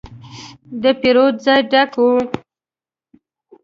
د پیرود ځای ډک و.